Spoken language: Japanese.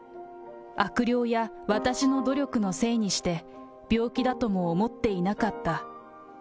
悪霊や私の努力のせいにして、病気だとも思っていなかった。